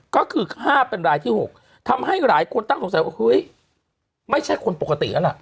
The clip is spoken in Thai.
ก็คือ๕เป็นรายที่๖ทำให้หลายคนตั้งสงสัยว่าเฮ้ยไม่ใช่คนปกติแล้วล่ะ